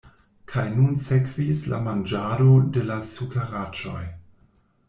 Kaj nun sekvis la manĝado de la sukeraĵoj.